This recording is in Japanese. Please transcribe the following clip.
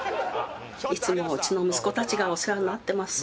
いつもうちの息子たちがお世話になってます。